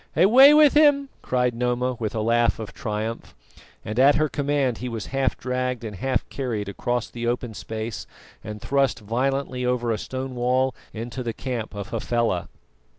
"Away with him!" cried Noma with a laugh of triumph; and at her command he was half dragged and half carried across the open space and thrust violently over a stone wall into the camp of Hafela.